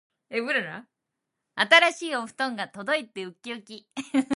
新しいお布団が届いてうっきうき